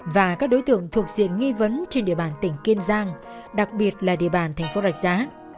và các đối tượng thuộc diện nghi vấn trên địa bàn tỉnh kiên giang đặc biệt là địa bàn thành phố rạch giá